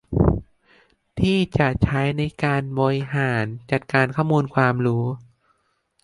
ที่จะใช้ในการบริหารจัดการข้อมูลความรู้